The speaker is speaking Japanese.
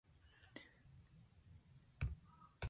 四川蜂起から武昌蜂起を経て辛亥革命は起こった。